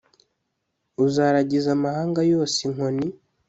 uzaragiza amahanga yose inkoni